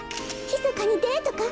ひそかにデートか！？